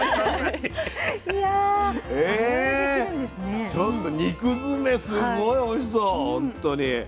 えちょっと肉詰めすごいおいしそうほんとに。